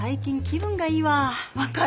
分かる。